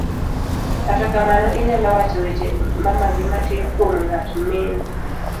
kata kamano, inyalo wacho weche mamagi matin kuom ng'at mind